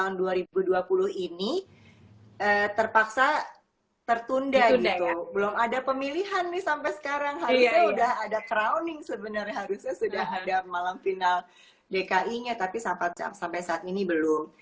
tahun dua ribu dua puluh ini terpaksa tertunda gitu belum ada pemilihan nih sampai sekarang harusnya sudah ada crowning sebenarnya harusnya sudah ada malam final dki nya tapi sampai saat ini belum